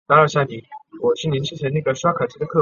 卡奥尔也是法国西南红酒产区当中的重要组成部分。